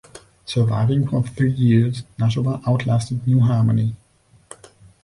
Surviving for three years, Nashoba outlasted New Harmony.